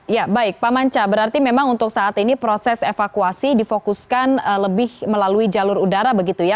ya baik pak manca berarti memang untuk saat ini proses evakuasi difokuskan lebih melalui jalur udara begitu ya